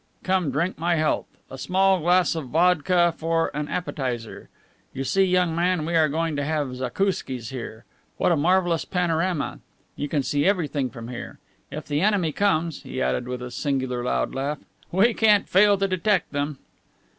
Come, drink my health. A small glass of vodka for an appetizer. You see, young man, we are going to have zakouskis here. What a marvelous panorama! You can see everything from here. If the enemy comes," he added with a singular loud laugh, "we can't fail to detect him."